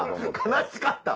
悲しかった！